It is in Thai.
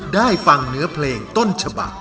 ได้ฟังเนื้อเพลงต้นฉบัก